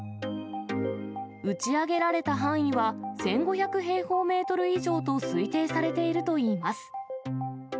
打ち上げられた範囲は、１５００平方メートル以上と推定されているといいます。